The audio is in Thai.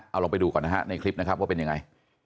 เอาลองไปดูก่อนนะฮะในคลิปนะครับว่าเป็นยังไง